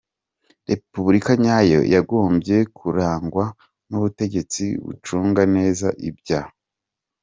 Repubulika nyayo yagombye kurangwa n’ubutegetsi bucunga neza ibya